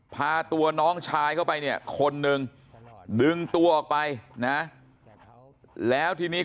พาตัวน้องชายเข้าไปเนี่ยคนนึงดึงตัวออกไปนะแล้วทีนี้